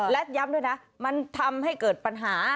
และย้ำด้วยนะมันทำให้เกิดปัญหา